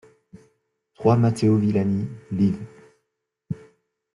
trois Matteo Villani, liv.